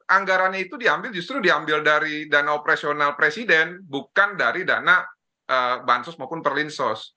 anggarannya itu diambil justru diambil dari dana operasional presiden bukan dari dana bansos maupun perlinsos